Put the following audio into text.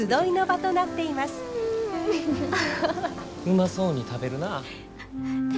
うまそうに食べるなぁ。